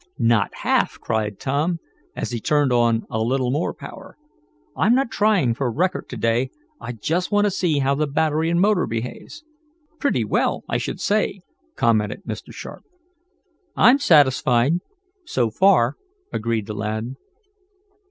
"Not half!" cried Tom, as he turned on a little more power. "I'm not trying for a record to day. I just want to see how the battery and motor behaves." "Pretty well, I should say," commented Mr. Sharp. "I'm satisfied so far," agreed the lad.